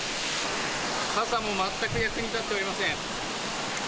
傘も全く役に立っておりません。